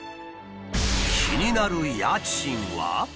気になる家賃は。